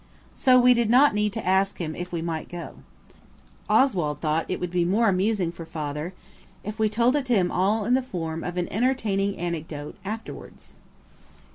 So we did not need to ask him if we might go. Oswald thought it would be more amusing for Father if we told it all to him in the form of an entertaining anecdote, afterwards.